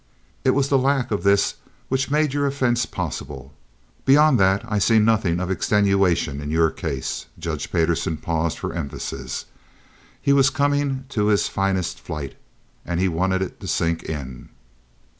It was the lack of this which made your offense possible. Beyond that I see nothing of extenuation in your case." Judge Payderson paused for emphasis. He was coming to his finest flight, and he wanted it to sink in.